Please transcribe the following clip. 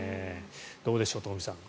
どうでしょう、東輝さん。